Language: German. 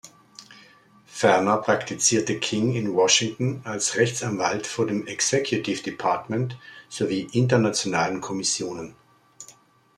Ferner praktizierte King in Washington als Rechtsanwalt vor dem Executive Department sowie internationalen Kommissionen.